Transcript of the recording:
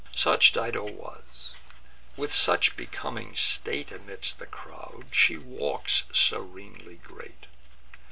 Such Dido was; with such becoming state, Amidst the crowd, she walks serenely great.